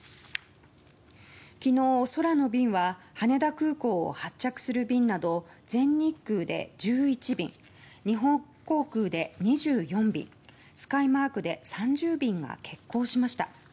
昨日、空の便は羽田空港を発着する便など全日空で１１便、日本航空で２４便スカイマークで３０便が欠航しました。